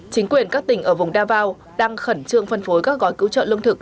chính quyền các tỉnh ở vùng davao đang khẩn trương phân phối các gói cứu trợ lương thực